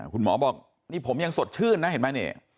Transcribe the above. คุณหมอบอกนี่ผมยังสดชื่นนะเห็นไหมนี่